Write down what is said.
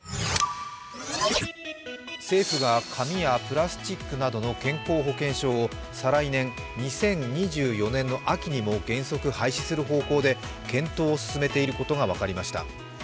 政府が紙やプラスチックなどの健康保険証を再来年、２０２４年の秋にも原則廃止する方向で検討を進めていることが分かりました。